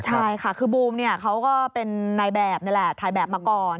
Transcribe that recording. ใช่ค่ะคือบูมเขาก็เป็นนายแบบนี่แหละถ่ายแบบมาก่อน